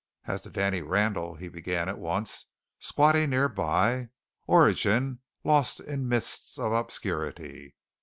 "As to Danny Randall," he began at once, squatting near by: "Origin lost in mists of obscurity.